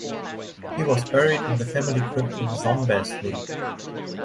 He was buried in the family crypt in Szombathely.